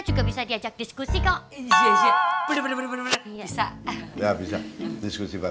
juga bisa diajak diskusi kok